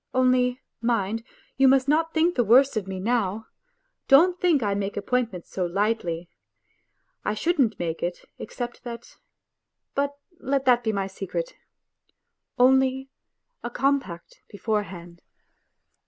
Only, mind, you must not think the worse of me now ! Don't think I make appointments so lightly. ... I shouldn't make it except that ... But let that be my secret ! Only a compact beforehand